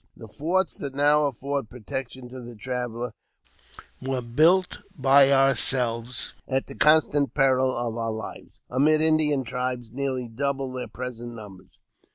The forts that now afford protection to the traveller were built by ourselves at the constant peril of our Uves, amid Indian tribes nearly double their present numbers.